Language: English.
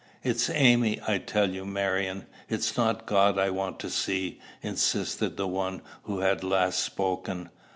"It's Amy, I tell you, Marion it's not God I want to see," insisted the one who had last spoken.